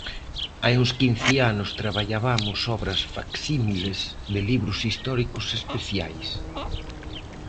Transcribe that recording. Hai uns quince anos traballabamos obras facsímiles de libros históricos especiais.